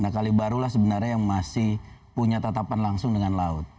kalibaru lah sebenarnya yang masih punya tatapan langsung dengan laut